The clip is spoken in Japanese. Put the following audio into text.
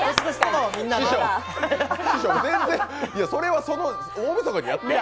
師匠、それは大みそかにやって。